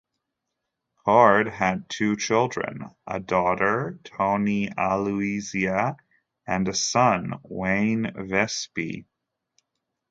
Cord had two children, a daughter, Toni Aluisa, and a son, Wayne Viespi.